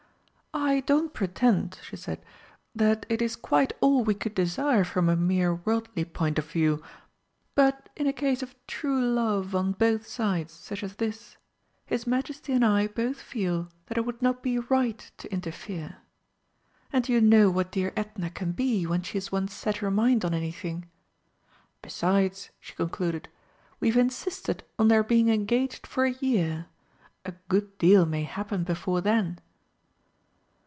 "I don't pretend," she said, "that it is quite all we could desire from a mere worldly point of view. But in a case of true love on both sides such as this, his Majesty and I both feel that it would not be right to interfere. And you know what dear Edna can be when she's once set her mind on anything. Besides," she concluded, "we've insisted on their being engaged for a year a good deal may happen before then."